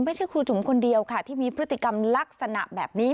ไม่ใช่ครูจุ๋มคนเดียวค่ะที่มีพฤติกรรมลักษณะแบบนี้